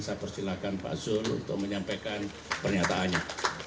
saya persilakan pak zulkifri hasan untuk menyampaikan pernyataannya